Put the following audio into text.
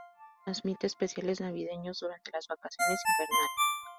El bloque transmite especiales navideños durante las vacaciones invernales.